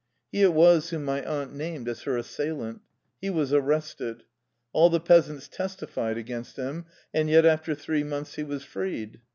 He it was whom my aunt named as her assailant. He was ar rested. All the peasants testified against him. And yet after three months he was freed.